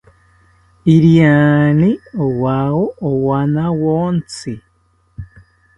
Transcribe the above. Iriani rowawo owanawontzi